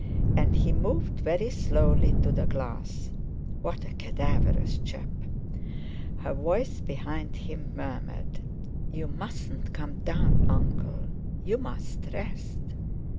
And he moved very slowly to the glass. What a cadaverous chap! Her voice, behind him, murmured: "You mustn't come down, Uncle; you must rest."